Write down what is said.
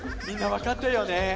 みんなわかったよね？